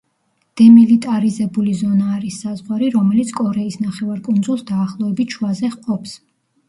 დემილიტარიზებული ზონა არის საზღვარი, რომელიც კორეის ნახევარკუნძულს დაახლოებით შუაზე ყოფს.